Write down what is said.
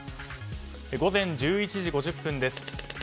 午前１１時５０分です。